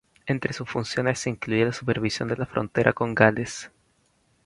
Entre sus funciones se incluía la supervisión de la frontera con Gales.